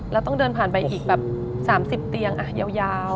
แล้วต้องเดินผ่านไปอีกแบบ๓๐เตียงยาว